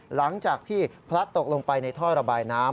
หลังจากที่พลัดตกลงไปในท่อระบายน้ำ